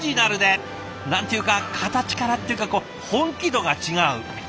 何て言うか形からっていうか本気度が違う。